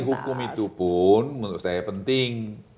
hukum itu pun menurut saya penting